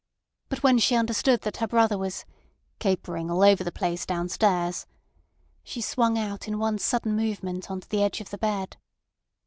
But when she understood that her brother was "capering all over the place downstairs" she swung out in one sudden movement on to the edge of the bed.